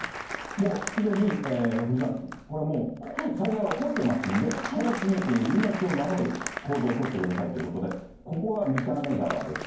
もうすでに、堀さん、これもう、災害が起こってますんで、直ちに命を守る行動を取ってくださいということで、ここが三種川です。